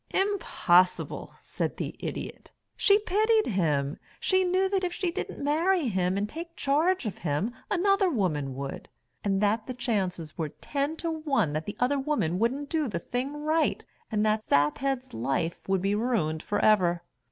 "Impossible," said the Idiot. "She pitied him. She knew that if she didn't marry him, and take charge of him, another woman would, and that the chances were ten to one that the other woman wouldn't do the thing right and that Saphead's life would be ruined forever."